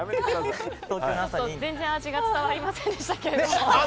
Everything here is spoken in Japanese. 全然味が伝わりませんでしたけれども。